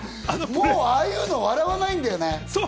ああいうの笑わないんだよね。